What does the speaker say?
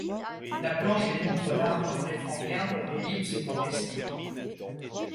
La planche démontre l'art d'André Franquin pour l'ellipse humoristique.